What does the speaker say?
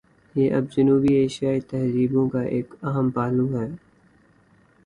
یہ اب جنوبی ایشیائی تہذیبوں کا ایک اہم پہلو ہے۔